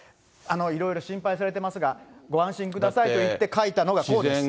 いろいろ心配されてますが、ご安心くださいと言って書いたのがこうです。